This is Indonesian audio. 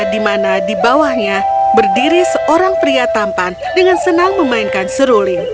di mana di bawahnya berdiri seorang pria tampan dengan senang memainkan seruling